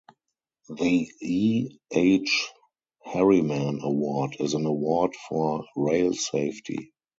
The E. H. Harriman Award is an award for rail safety.